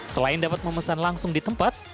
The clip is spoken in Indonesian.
selain dapat memesan langsung di tempat